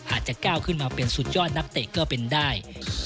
อาจจะก้าวขึ้นมาเป็นสุดยอดนักเตะก็เป็นได้